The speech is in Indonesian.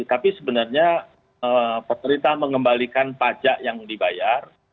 tapi sebenarnya pemerintah mengembalikan pajak yang dibayar